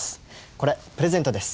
これプレゼントです。